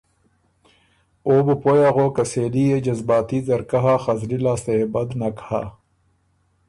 او بُو پویٛ اغوک که سېلي يې جذباتي ځرکۀ هۀ خه زلی لاسته يې بد نک هۀ۔